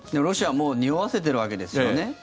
ロシアはもうにおわせているわけですよね。